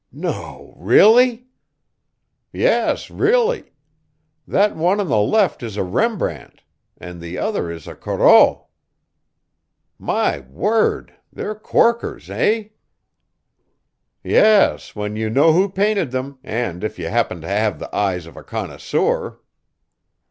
"No, really." "Yes, really! That one on the left is a Rembrandt! and the other is a Corot!" "My word; they're corkers, eh!" "Yes, when you know who painted them, and if you happen to have the eye of a connoisseur."